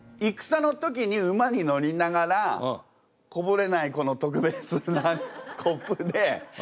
戦の時に馬に乗りながらこぼれないこの特別なコップでお酒飲んでたんですか？